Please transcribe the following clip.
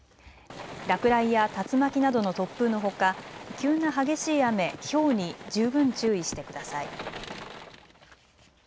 落雷や竜巻などの突風のほか急な激しい雨、ひょうに十分注意してください。